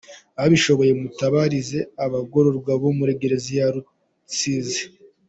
Ababishoboye mutabarize abagororwa bo muri gereza ya Rusizi!